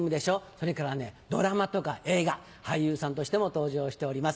それからドラマとか映画俳優さんとしても登場しております。